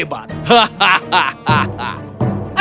raja boris yang hebat